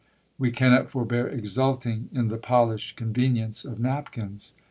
We cannot forbear exulting in the polished convenience of napkins!